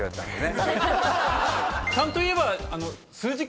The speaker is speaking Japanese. ちゃんと言えば。